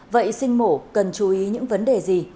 vậy sinh mổ cần chú ý những vấn đề gì